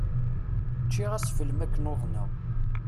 Ččiɣ asfel makken uḍneɣ.